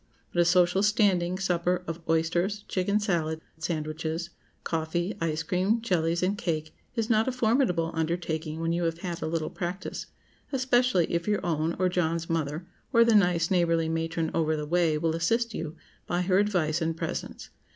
But a social standing supper of oysters, chicken salad, sandwiches, coffee, ice cream, jellies, and cake, is not a formidable undertaking when you have had a little practice, especially if your own, or John's mother, or the nice, neighborly matron over the way will assist you by her advice and presence.